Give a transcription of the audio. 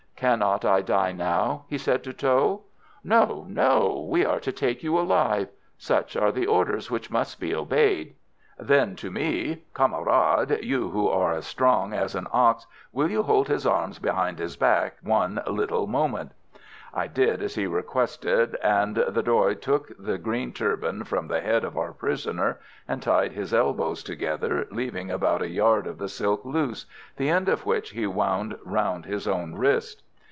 "Cannot I die now?" he said to Tho. "No! no! we are to take you alive. Such are the orders which must be obeyed." Then to me: "Camarade, you who are as strong as an ox, will you hold his arms behind his back one little moment?" I did as he requested, and the Doy took the green turban from the head of our prisoner, and tied his elbows together, leaving about a yard of the silk loose, the end of which he wound round his own wrist.